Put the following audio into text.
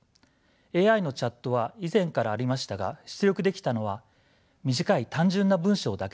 ＡＩのチャットは以前からありましたが出力できたのは短い単純な文章だけでした。